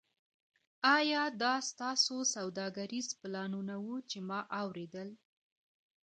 ایا دا ستاسو سوداګریز پلانونه وو چې ما اوریدل